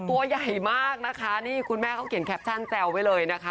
ตัวใหญ่มากนะคะนี่คุณแม่เขาเขียนแคปชั่นแซวไว้เลยนะคะ